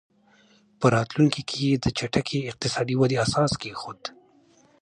په راتلونکي کې یې د چټکې اقتصادي ودې اساس کېښود.